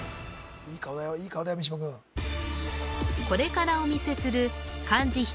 これからお見せする漢字